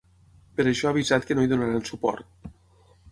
Per això ha avisat que no hi donaran suport.